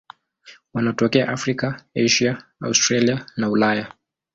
Wanatokea Afrika, Asia, Australia na Ulaya.